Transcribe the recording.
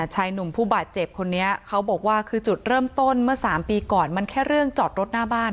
ชายหนุ่มผู้บาดเจ็บคนนี้เขาบอกว่าคือจุดเริ่มต้นเมื่อ๓ปีก่อนมันแค่เรื่องจอดรถหน้าบ้าน